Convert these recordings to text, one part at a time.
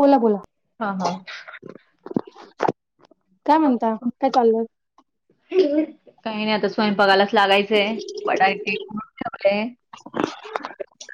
बोला बोला? हा हा. काय म्हणता, काय चाललं. [inaudible] काही नाही आता स्वयंपाकालाच लागायचय [unintelligible]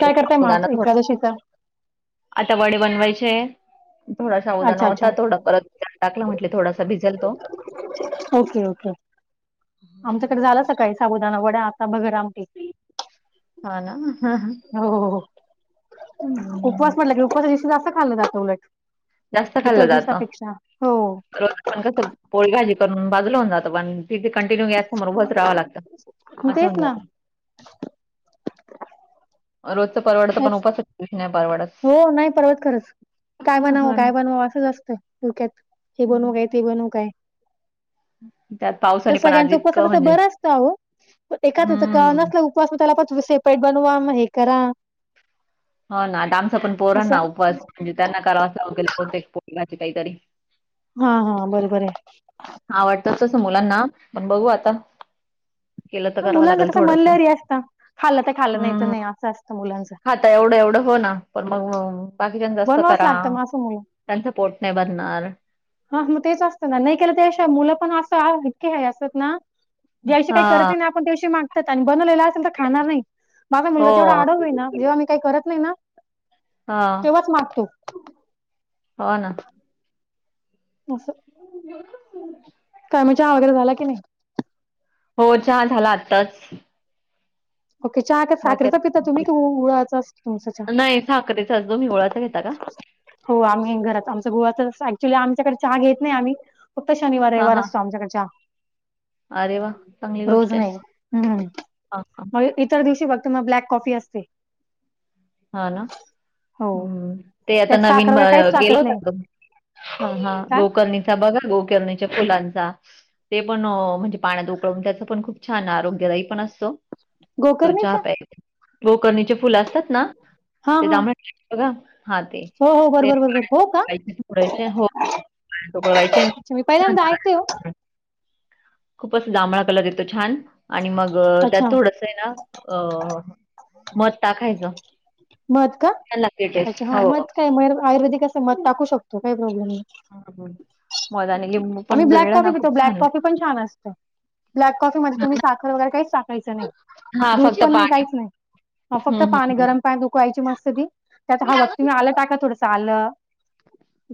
काय करताय मग थोडा एकादशीचा. आता वडे बनवायचे थोडा साबुदाणा अच्छा अच्छा होता थोडा परत टाकला म्हटल थोडासा भिजल तो. ओके- ओके आमच्याकडे झाला सकाळी साबुदाणा वडा आता बघर आमटी. हा ना. हो- हो. हम्म. उपवास म्हटला की उपवासा दिवशी जास्त खाल्लं जात उलट जास्त इतर दिवसापेक्षा हो. [inaudible] पण कसं पोळी भाजी करून भाजूला होऊन जातं पण तिथे कंटिन्यू गॅस समोर उभच राहावं लागतं. [inaudible] असं तेच होऊन ना. जातं. रोजच परवडत पण तेच उपासाच्या दिवशी नाही परवडत. हो नाही परवडत खरंच काय हं, बनवू काय हं. बनवू असंच असतंय डोक्यात हे बनवू काय ते बनवू काय. त्यात तर पावसाने पण आज सगळ्यांचा उपवास इतकं असला तर म्हणजे बरा असत अहो पण एखाद्या का हं. नसला उप त्याला परत स्वयंपाक बनवा मग हे करा. ह ना आता आमच्या पण पोरांना असं उपवास म्हणजे त्यांना करावंच लागेल बहुतेक पोळी भाजी काहीतरी. हा- हा बरोबर आहे आवडतं तसं मुलांना पण बघू आता. केलं तर ह करावं मुलांच लागेल कस मन थोडसं. लहरी असता खाल्लं तर खाल्लं नाही तर नाही असं असतं मुलांच. तर एवढं एवढं हो ना पण मग बाकीच्या जास्त बनवावंच करा लागतं मग असं मुलं त्यांचं पोट नाही भरणार. हा मग तेच असतं ना नाही केलं अश मुलं पण असं इतके असत ना ज्या दिवशी काही करत हा ना आपण दिवशी मागतात आणि बनवलेल खाणार नाही माझा हो मुलगा ऐवढा आढव आहे ना जेव्हा मी काही करत नाही ना. हा तेव्हाच मागतो हो ना. अस. ब. [inaudible] चहा वगैरे झाला की नाही. हो चहा झाला आत्ताच. ओके चहा का बाकी साखरेचा पिता तुम्ही की आता गु गुळाचा असतो तुमचा नाही साखरेचाच तुम्ही चहा. गुळाचा घेता का? हो आम्ही घरात आमच्या गुळाचा कसा ऍक्च्युली आमच्याकडे चहा घेत नाही आम्ही फक्त शनिवार हा रविवार हा असतो आमच्याकडे चहा. अरे वा चांगली रोज गोष्ट आहे नाही हम्म मग इतर दिवशी फक्त मग ब्लॅक कॉफी असते. हा ना. हो हम्म ते आता त्यात नवीन साखर वगैरे काहीच गेले टाकत होतात नाही का तुम्ही काय गोकर्णी बघा गोकर्णीच्या फुलांचा. ते पण म्हणजे पाण्यात उकळून त्याच पण खूप छान आरोग्यदायी पण असतो. तो चहा गोकर्णीचा प्यायले गोकर्णीचे फुल असतात ना हा ते हा जांभळ्या रंगाची बघा हा ते हो हो ती बरोबर बरोबर पाण्यात हो का उकळवायची हो. उकवलायची अच्छा मी पहिल्यांदा ऐकते हो [inaudible] खूपच जांभळा कलर येतो छान आणि मग त्यात अच्छा थोड स आहे ना मध टाकायचं मध का छान लागते अच्छा टेस्ट हा मध हो. काय आयुर्वेदिक असं मध टाकू शकतो काही प्रॉब्लेम नाही. हं, हं. मध आणि लिंबू आम्ही पण ब्लॅक पिळलं कॉफी ना खूप पितो ब्लॅक छान कॉफी पण छान असत. ब्लॅक कॉफी मध्ये तुम्ही साखर वगैरे काही काहीच नाही हां, दूध फक्त पण नाही पाणी. काहीच नाही फक्त हं, हं, पाणी हं. गरम उखळायची मस्त ती त्यात हवा तुम्ही आलं टाका थोडसं आलं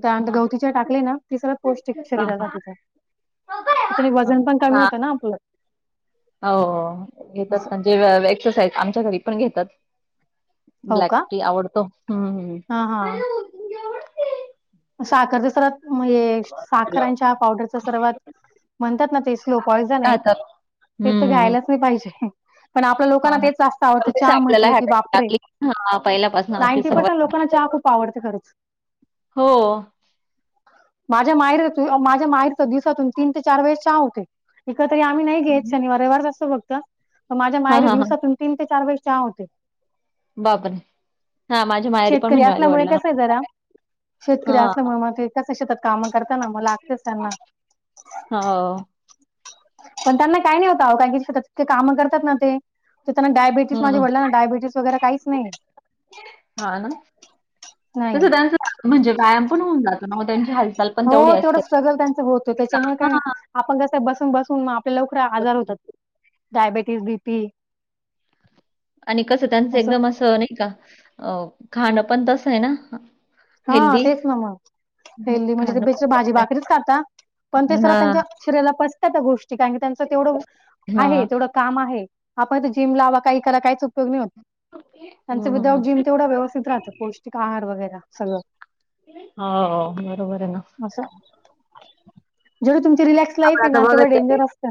त्यानंतर हां, गवती चहा टाकले ना ती सगळं पौष्टिक हां, शरीरासाठीच्या त्याच्यान हां. वजन पण कमी होतं ना हां. आपलं. हो घेतात असं म्हणजे एक्सरसाइज आमच्या घरी पण घेतात. हो ब्लॅक का टी आवडतो, हम्म. हा हा. साखर दिसात म्हणजे साखरांच्या पावडरच सर्वात, म्हणतात ना ते स्लो पॉयझन आहे. राहतात ते तर हम्म घ्यायलाच नाही पाहिजे. पण आपल्या लोकांना हो ना तेच जास्त आवडतं, पण कस चहा आपल्याला म्हटलं की हॅबिट बापरे, लागली हा पहिल्यापासून अशी नाईंटी सवय पर्सेंट लोकांना चहा खूप खूप आवडते खरंच. हो. माझ्या मायरी तु, माझ्या मायरच दिवसातून तीन ते चार वेळेस चहा होते. इतरी आम्ही नाही घेत, शनिवार रविवार जास्त फक्त, पण माझ्या हा मायरी हा हा दिवसातून तीन ते चार वेळेस चहा होतो. बापरे हा माझ्या माहेरी पण शेतकरी म्हणजे माझ्या असल्यामुळे वडिलांना कसय आहे जरा, शेतकरी हा असल्यामुळे मग एकाच शेतात काम करताना मला लागतेच त्यांना. हो. पण त्यांना काही नाही होत आवो, कारण की सतत कामं करतात ना ते. तर त्यांना डायबिटीस माझे हम्म वडिलाना डायबेटीस वगैरे काहीच नाही. हा नाही तसं त्याचं म्हणजे व्यायाम पण होऊन जात ना ओ त्यांची हाल हो तेवढं स्ट्रगल त्यांचं होतं, त्याच्यामुळे काही नाही. आपण कसं बसून बसून मग आपल्या लवकर आजार होतात. Diabetes B P. आणि कसं त्यांचं एकदम असं नाही का, अ खाणं पण तसं आहे ना. हा हेल्दी तेच ना मग, हेल्दी म्हणजे खाणं पण बेच भाजी आहे. भाकरीच खाता, पण ते सर हा त्यांच्या शरीराला पचतात त्या गोष्टी कारण का त्यांच तेवढं आहे, हा तेवढं काम आहे, आपण ते जिम लावा, काय करा, कायच उपयोग होत नाही त्याचं विदाआउट हम्म जिम तेवढं व्यवस्थित राहतं पौष्टिक आहार वगैरे सगळं. हो, बरोबर आहे ना. आसं, जेवढी तुमची रिलॅक्स [unintelligible] लाईफ आहे आपण ना तेवढं डेंजर असतं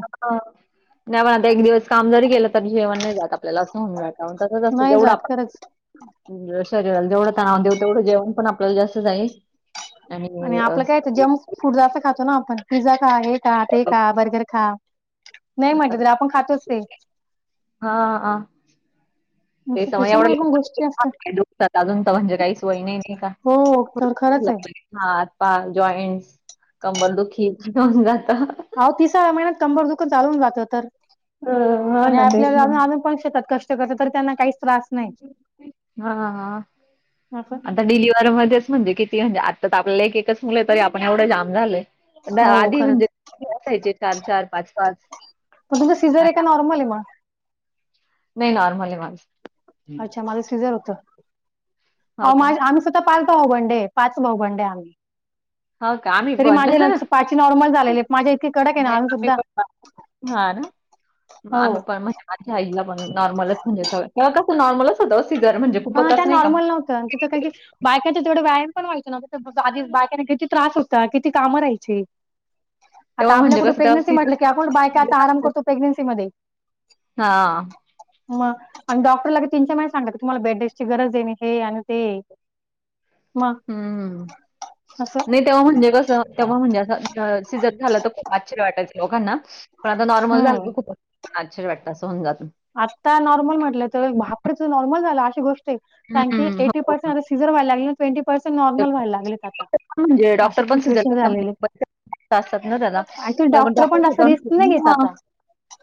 आता एक दिवस काम जरी गेल तरी जेवण नाही जात. आपल्याला असं हुन जातं, तसंच असं नाही जेवढं जात खरंच आपण शरीराला जेवढा तणाव देऊ, तेवढं जेवण पण आपल्याला जास्त जाईल. आणि आपलं काय जंक फूड जास्त खातो ना आपण, पिझ्झा खा, हे का, ते खा, बर्गर खा. नाही म्हटलं तरी आपण खातोच ते. हा हां. ते असं समय एवढं त्याच्यामुळे पण गोष्टी असतात. लवकर दुखतात अजून तर म्हणजे काहीच वय नाही, नाही का हो तर खरंच आहे [unintelligible] हात पाय जॉईंट्स, कंबल दुखी होऊन जातं. अहो तिसऱ्या महिन्यात कंबर दुकुन चालून जातो तर, हो आणि ना तेच आपल्याला आजुन आजुन पण शेतात कष्ट करतात तरी त्यांना काहीच त्रास नाही हा हा हा. आण असं आता डिलिव्हर मध्येच म्हणजे किती म्हणजे आता तर आपल्याला एक एकच मुलं तरी आपण एवढं जाम झालोय. धा हो आधी म्हणजे, खरंच आसायचे चार चार पाच पाच. प तुजं सीझरय का नॉर्मलय मग? नाही नॉर्मलय माझं. अच्छा, माझं सिझर होतं. हो का? माझ, आम्ही सुद्धा पाच भाऊबंडे, पाच भाऊबंडे आम्ही. हो का आम्ही तरी पण. माझ्या ला पाची नॉर्मल झालेली आहे, माझ्या इथे कडक आहे ना अजून सुद्धा. हा ना, हो आही पण म्हणजे माझ आईलापण नॉर्मलच, मणजे स्व तेवा कसं नॉर्मलच होतं ओ, सीझर म्हणजे हा खूपच त्या असं नाही का. नॉर्मल नव्हत्या तितं कारंकी बायकाचे तेवढे व्यायाम पण व्हायचं ना तस आधी बायकाने किती त्रास होता किती कामं राहायची. आता तेव्हा आपल्या म्हणजे कुठे कसं तेव्हा प्रेग्नेन्सी सीझर म्हटलं की आपण बायका आता आराम करतो प्रेग्नेनसी मध्ये. हां. मग आणि डॉक्टरला क तीन च्यार महिने सांगाता की तुम्हाला बेडरेस्टची गरज आहे हे आणि ते- मग हम्म हम्म हम्मं. असं नाय तेव्हा म्हणजे कसं तेव्हा म्हणजे असं सीझर झालं तर खूप आश्चर्य वाटायचं लोकांना पण आता नॉर्मल झालं कि हम्म. खुप आश्चर्य वाटतं अस हुन जातं. आत्ता नॉर्मल म्हटलं तर बापरे तुझ नॉर्मल झाला अशी गोष्ट कारण की हं, एटी हो. परर्सेंट आता सीझर व्हायला लागली ट्वेंटी पर्सेंट नॉर्मल व्हायला लागलेत आता. हं म्हणजे अशी डॉक्टर पण सिझर सिच्युएशन झालेली. [unintelligible] [unintelligible] आसतात ना त्याजा. ऍक्च्युली डॉक्टर पण जास्त रिस्क नाही घेत आता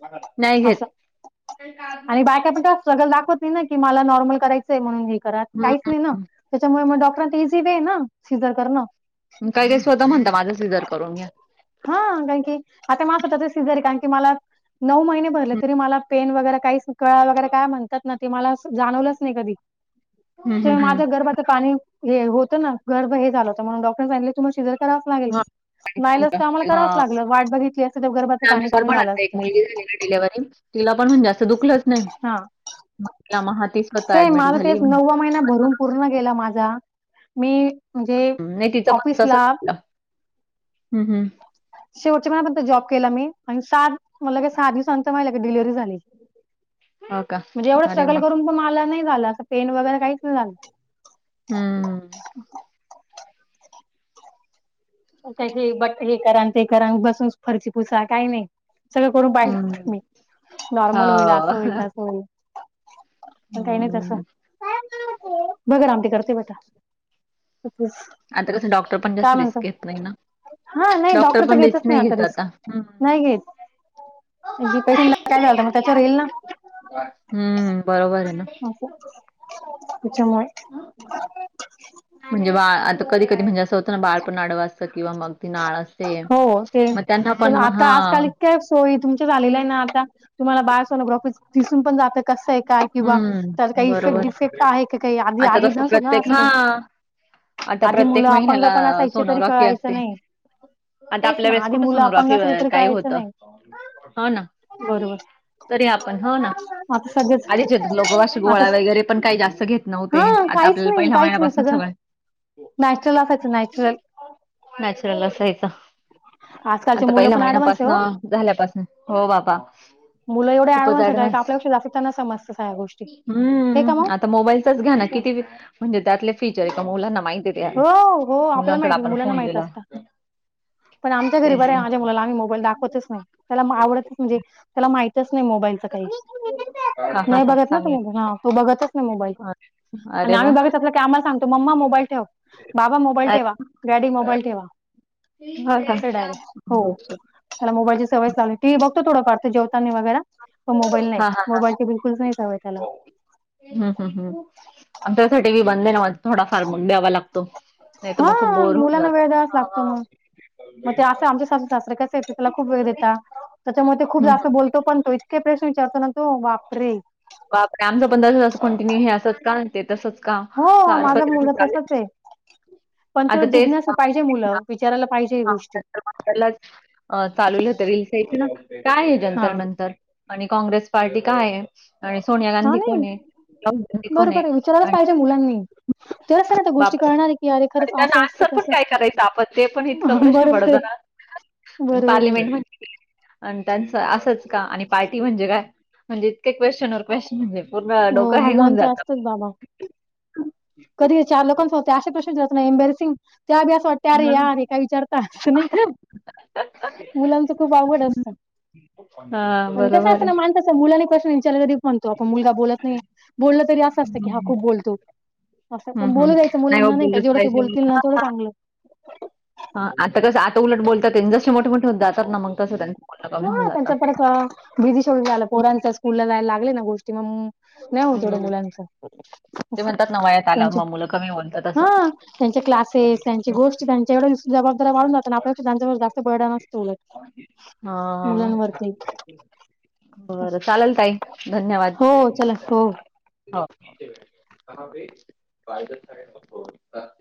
[unintelligible] नाय घेत. असं. आणि बायका पण तेवढा स्ट्रगल दाखवत नाही ना की मला नॉर्मल करायचंय म्हणून हे करा काहीच हं, नाही ना. त्याच्यामुळे मग डॉक्टरांत इझीबीय ना सिझर करणं. काही काही स्वतः म्हणता माझं सिझर करून घ्या. हा कारण की आता माझ स्वतः च सिझर कारण की मला नऊ महिने भरले तरी मला पेन वगैरे काही कळा वगैरे काय म्हणतात ना ते मला जाणवलंच नाही कधी. हं, हं, जेव्हा हं. माझ्या गर्भाचं पाणी हे होतं ना गर्भ हे झालं होतं म्हणून डॉक्टर सांगितले तुम्हाला शिजर करावच लागेल. हां, नाईलाज ते आम्हाला हां. करावच लागलं वाट बघितली असती तर गर्भाच पाणी आमची सर कमी पण झालं आता एक मुलगी झाली ना असतं. डिलिव्हरी तिला पण म्हणजे आसं दुखलंच नाय. हा तिला म हा ती स्वतः सेम ऍडमिट माझं झाली. तेच नववा महिना भरून पूर्ण गेला माझा मी म्हणजे हं, नाही तिचं ऑफिसला हम् हम्म. शेवटच्या महिन्यापर्यंत जॉब केला मी आणि सात मग लगेच सहा दिवसानंतर माझी लगेच डिलेव्हरी झाली. हो का? म्हणजे एवढं अरे स्ट्रगल वाह! करून पण मला नाइ झालं असं पेन वगैरे काहीच नाय झालं. हम्म. [inaudible] खुप काही काही हे बट हे करान ते करान बसूनच फरशी पुसा काय नाइ सगळं करून पाहिलं होत हं. मी नॉर्मल होईल हो. असं होईल तसं होईल- पण काही नाही तसं. हं. भगर आमटी करतेय बेटा अच् [unintelligible] आता कसं डॉक्टर पण जास्त रिस्क येत नाही ना हा नाही डॉक्टर तर पण घेतच रिस्क नाही आता घेत र हं. नाही घेत- पेशं काय झाल मग त्याच्या येईल ना- हम्म बरोबर आहे ना- त्याच्यामुळे- म्हणजे बाळ आता कधी कधी म्हणजे असं होतं ना बाळ पण अडवा असतं किंवा मग ती नाळ असतं- हो ते ही पण आता आजकाल- इतक्या सोयी तुमच्या झालेल्या आहे ना आता तुम्हाला बाळ सोनोग्राफी दिसून पण जात कसं आहे. काय किंवा तर हम्म काही इफेक्ट बरोबर डिफेक्ट आहे का काही आधी आता आधी कसं नसोध प्रत्येक असं हा काही- आता आधी मुलं प्रत्येक अपंग महिन्याला पण असायचे तरी सोनोग्राफी कळायचं असते. नाही. आता तेच आपल्या ना वेळेस आधी कुठ मुलं अपंग सोनोग्राफी असली तरी काही कळायचं होतं- नाही हो ना बरोबर तरी आपण हो ना- आता सगळेच आधिचे लोक आस आता गोळ्या वैगेरे पण काही जास्त घेत हा नव्हतं. ते आता काहीच आपल्याला नाही पहिल्या काहीच नाही महिन्यापासून सगळं- नॅचरल असायचं नॅचरल नॅचरल असायचं- आजकालची आता मुलं पहिल्या पण ऍडव्हान्स आहे महिन्यापासन हो झाल्यापासून हो बाबा मुलं एवढा खूपच एडवन्सतना ऍडव्हान्स आपल्यापेक्षा जास्तना समतं सगळ्या गोष्टी- हे का हम्म मग आता मोबाईलचच घ्या ना असं. किती म्हणजे त्यातले फीचर आहे का मुलांना माहितीत हो हो आपल्याला माहती मुलांना माहित दिला असत- पण आमच्या घरी बर तेच आहे ना माझ्या मुला आम्ही मोबाईल दाखवत नाही त्याला आवडतच- म्हणजे त्याला माहितच नाही मोबाईलचं काही- हा हा नाही हा बघत ना तू चांगले मोबाल हा तू बघतच ना मोबाईल- आणि अरे आम्ही वा बघत असल की आम्हाला सांगतो मम्मा मोबाईल ठेव- बाबा मोबाईल अरे ठेवा, डॅडी मोबाईल ठेवा हो का असे डॅडी हो त्याला मोबाईलची सवय नाही लावली टिव्ही बघतो थोडफार जवताांनी वगैरे- पण मोबाईल नाही हा हा मोबाईल ते बिलकुलच नाही त्याला- हम्म हम् हम् त्यासाठी मी बंद ना मा थोडा फार द्यावा लागतो- नाही तर हा मग खूप बोर होवून मुलांना जात- वेळ द्यावाच लागतो मग मग ते असं आमचे सासू सासरे कसे त्याला खूप वेळ देता त्याच्यामुळे ते खूप हम्म हम्म. जास्त बोल- तो पण तो इतके प्रश्न विचारतो ना तो बापरे- आपण आमचं पण् तसेच कंटिन्यू हे असच का? ते तसच का? हो सारखं माझा त्याच मुलगा चालूय- तसाच आहे पण त जिज्ञसु पाहिजे मुलं विचारायला पाहिजे ही गोष्टी- त्याला- चालू तर काय आहे काय हां. जंतर नंतर आणि काँग्रेस पार्टी काय आहे? आणि सोनिया हां, गांधी नाही कोण आहे? राहुल गांधी कोण बरोबर आहे विचाराच आणि पाहिजे मुलांनी ते स त्या गोष्टी बापरे! करळणार आहे की अरे- आणि खरंच त्या असं असतं, आजच पण तसं काय असतं. करायचं आपण ते पण इतकं प्रश्न बरोबर पडत आहे, ना- बरोबर आहे. पार्लिमेंट म्हण- आणि त्यांचं असच का? आणि पार्टी म्हणजे काय म्हणजे इतके क्वेशन व क्वेशचन म्हणजे पूर्ण अ डोकं हँग होऊन मुलांच जातं. असतच बाबा कधी चार लोकांच होते अस कश प्रश्न जात नाही इनबॅलेसिंग त्या असं वातं त्यारे हां. या अरे काय विचारता असं नाही का मुलांच खूप आवड असत. हा बरोबर आहे. मान मुला प्रश्नचाल मानत आप मु [inaudible] नाही बोललं तरी असं असतं की खूप बोलतो. असं हं, पण हं. बोलू द्यायचं हो मुलांना नाही का बोललंच जेवढं ते पाहिजे. बोलतील ना तेवढं चांगलं. आता कसं आता उलट बोलतात त्यां जसे मोठे मोठे होत जातात ना मग तसं त्यांच बोलणं कमी होन जातं. भीदी सोडू झाला पोरांच्या स्कू ला जायला लागले ना गोष्टी मगग, नाही हो हं, तेवढ्या हं. मुलांच ते अस म्हणतात ना, वयात आल्यावर त्यांची मग मुलं कमी बोलतात असं. हा त्यांचे क्लासेस त्यांची गोष्ट त्यांच्या जबाबदारी वाढून जातं आपल्याक्ष त्यांच्यावर जास्त बळडन असतं. हा आं बरं चालेल ताई धन्यवाद. हो चला हो. हो.